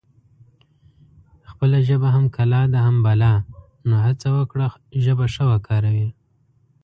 خپله ژبه هم کلا ده هم بلا نو هسه وکړی ژبه ښه وکاروي